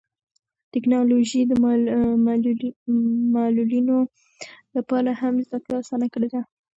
ټیکنالوژي د معلولینو لپاره هم زده کړه اسانه کړې ده.